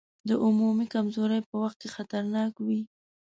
د عمومي کمزورۍ په وخت کې خطرناک وي.